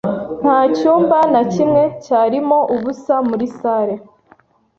Nta cyumba na kimwe cyarimo ubusa muri salle.